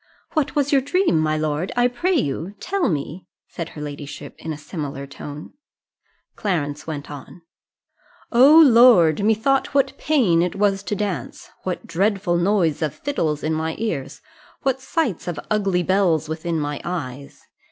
"What was your dream, my lord? I pray you, tell me," said her ladyship in a similar tone. Clarence went on "O Lord, methought what pain it was to dance! What dreadful noise of fiddles in my ears! What sights of ugly belles within my eyes!